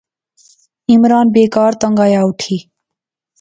عمران بیکار تنگ آیا اوٹھی